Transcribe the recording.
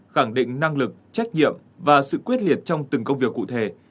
khẳng định năng lực trách nhiệm và sự quyết liệt trong từng công việc cụ thể